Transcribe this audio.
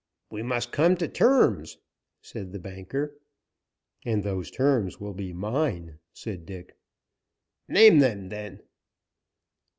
"We must come to terms," said the banker. "And those terms will be mine," said Dick. "Name them, then."